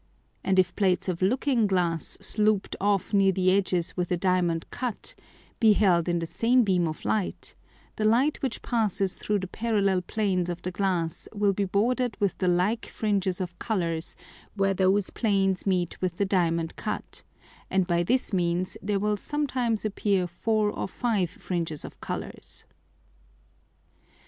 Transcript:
And if Plates of Looking glass sloop'd off near the edges with a Diamond cut, be held in the same beam of Light, the Light which passes through the parallel Planes of the Glass will be border'd with the like Fringes of Colours where those Planes meet with the Diamond cut, and by this means there will sometimes appear four or five Fringes of Colours.